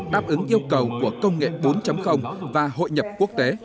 đáp ứng yêu cầu của công nghệ bốn và hội nhập quốc tế